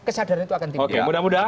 kesadaran itu akan tinggal oke mudah mudahan